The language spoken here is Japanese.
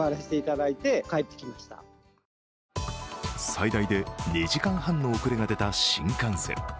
最大で２時間半の遅れが出た新幹線。